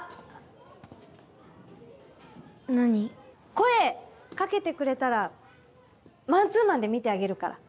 声掛けてくれたらマンツーマンで見てあげるから。